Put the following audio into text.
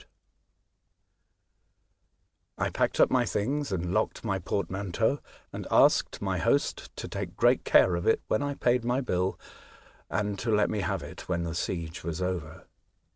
* ^P ^^ ^T* I packed up my things and locked my portmanteau, and asked my host to take great care of it when I paid my bill, and to let me have it when the siege was over.